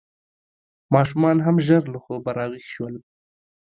ماشومان هم ژر له خوبه راویښ شول.